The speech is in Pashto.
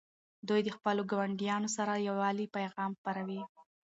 دوی د خپلو ګاونډیانو سره د یووالي پیغام خپروي.